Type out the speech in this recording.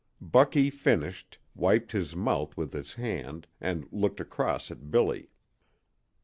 Bucky finished, wiped his mouth with his hand, and looked across at Billy.